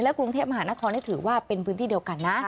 กรุงเทพมหานครนี่ถือว่าเป็นพื้นที่เดียวกันนะ